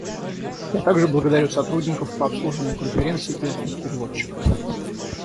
Я также благодарю сотрудников по обслуживанию конференций и устных переводчиков.